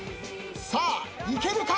さあいけるか！？